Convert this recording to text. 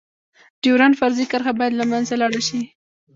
ډيورنډ فرضي کرښه باید لمنځه لاړه شی.